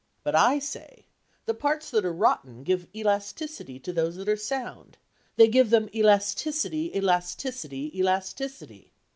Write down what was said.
But I say, the parts that are rotten give elasticity to those that are sound: they give them elasticity, elasticity, elasticity.